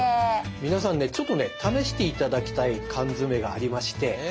皆さんねちょっとね試していただきたい缶詰がありまして。